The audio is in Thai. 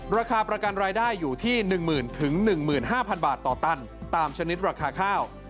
ราคาประกันรายได้อยู่ที่๑๐๐๐๑๕๐๐บาทต่อตันตามชนิดราคาข้าว